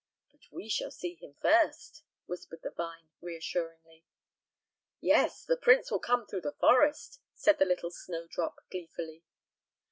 "But we shall see him first," whispered the vine, reassuringly. "Yes, the prince will come through the forest," said the little snowdrop, gleefully.